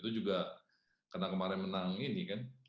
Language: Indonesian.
itu juga karena kemarin menang ini kan